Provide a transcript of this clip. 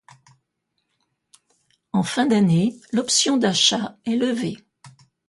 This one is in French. En fin d'année, l'option d'achat est levée.